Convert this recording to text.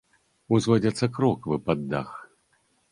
Узводзяцца кроквы пад дах.